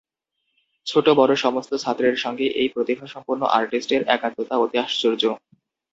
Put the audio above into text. ছোটো বড়ো সমস্ত ছাত্রের সঙ্গে এই প্রতিভাসম্পন্ন আর্টিস্টের একাত্মকতা অতি আশ্চর্য।